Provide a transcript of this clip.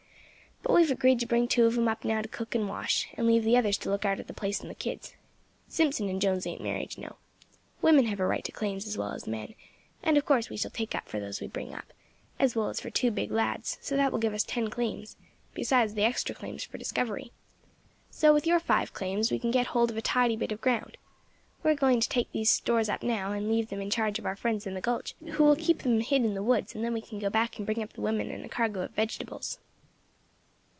But we have agreed to bring two of them up now to cook and wash, and leave the others to look arter the place and the kids. Simpson and Jones ain't married, you know. Women have a right to claims as well as men, and of course we shall take up for those we bring up, as well as for two big lads; so that will give us ten claims, besides the extra claims for discovery. So with your five claims we can get hold of a tidy bit of ground. We are going to take these stores up now, and leave them in charge of our friends in the gulch, who will keep them hid in the woods, and then we can go back and bring up the women and a cargo of vegetables."